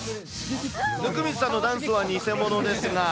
温水さんのダンスは偽物ですが。